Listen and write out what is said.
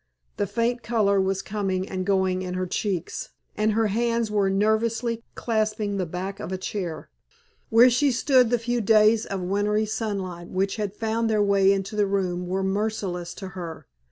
The faint color was coming and going in her cheeks, and her hands were nervously clasping the back of a chair. Where she stood the few days of wintry sunlight which had found their way into the room were merciless to her.